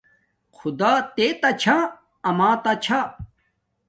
خدݳ تݵتݳ چھݳ مݵتݳ چھݳ.